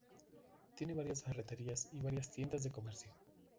Tiene varias ferreterías, y varias tiendas de comercio.